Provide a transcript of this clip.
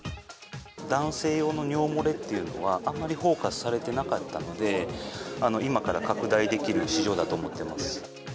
男性用の尿漏れっていうのは、あんまりフォーカスされてなかったので、今から拡大できる市場だと思ってます。